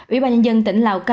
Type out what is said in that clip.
ủy ban nhân dân tỉnh lào cai